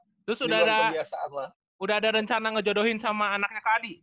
terus udah ada rencana ngejodohin sama anaknya kak adi